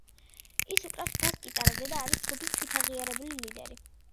ის უკრავს ბას გიტარაზე და არის ჯგუფის თვითაღიარებული ლიდერი.